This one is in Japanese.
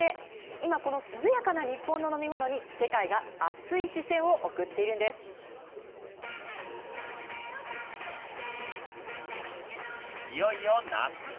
今、この涼やかな日本の飲み物に世界が熱い視線をいよいよ夏。